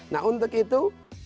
nah untuk itu